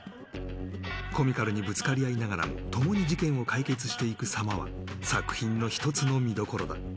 コミカルにぶつかり合いながらも共に事件を解決していくさまは作品の一つの見どころだ